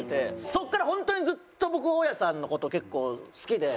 そこから本当にずっと僕大家さんの事結構好きで。